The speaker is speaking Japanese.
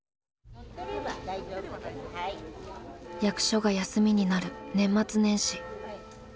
役所が休みになる年末年始。